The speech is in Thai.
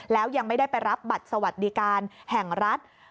แล้วยังไม่ได้ไปรับบัตรสวัสดิการแห่งรัฐ